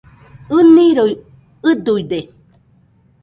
ɨniroi ɨduide